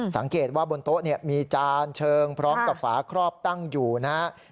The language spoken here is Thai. สังเกตว่าบนโต๊ะมีจานเชิงพร้อมกับฝาครอบตั้งอยู่นะครับ